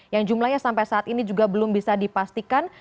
yang jumlahnya sampai saat ini juga belum bisa dipastikan